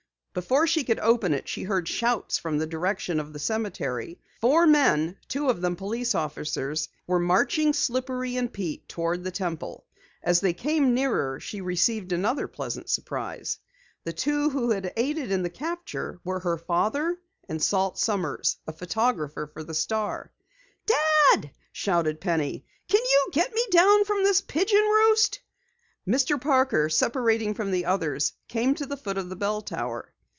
Before she could open it, she heard shouts from the direction of the cemetery. Four men, two of them police officers, were marching Slippery and Pete toward the Temple. As they came nearer she received another pleasant surprise. The two who had aided in the capture were her father and Salt Sommers, a photographer for the Star. "Dad!" shouted Penny. "Can you get me down from this pigeon roost?" Mr. Parker, separating from the others, came to the foot of the bell tower.